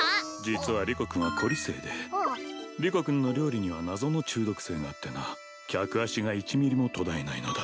実はリコ君は狐狸精でリコ君の料理には謎の中毒性があってな客足が１ミリも途絶えないのだ